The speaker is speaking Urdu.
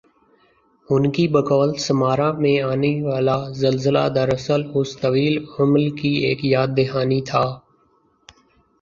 ان کی بقول سمارا میں آنی والازلزلہ دراصل اس طویل عمل کی ایک یاد دہانی تھا